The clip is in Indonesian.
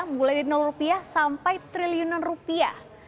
mulai dari rupiah sampai triliunan rupiah